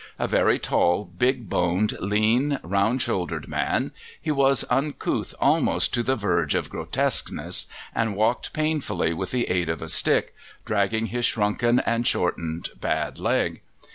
A very tall, big boned, lean, round shouldered man, he was uncouth almost to the verge of grotesqueness, and walked painfully with the aid of a stick, dragging his shrunken and shortened bad leg.